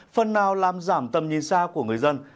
phần nào làm giảm tầm nhìn xa của người dân